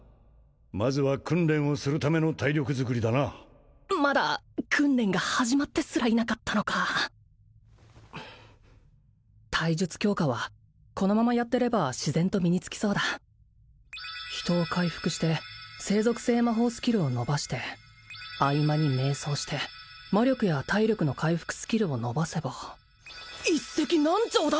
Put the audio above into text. まずは訓練をするための体力作りだなまだ訓練が始まってすらいなかったのか体術強化はこのままやってれば自然と身につきそうだ人を回復して聖属性魔法スキルを伸ばして合間にめい想して魔力や体力の回復スキルを伸ばせば一石何鳥だ！？